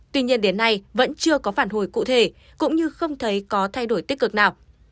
tuy nhiên đến nay vẫn chưa có phản hồi cụ thể cũng như không thấy có thay đổi tích cực nào